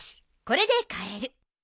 これで買える。